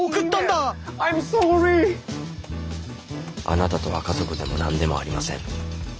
あなたとは家族でもなんでもありません。